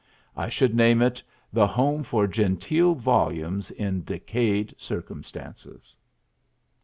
I should name it the Home for Genteel Volumes in Decayed Circumstances.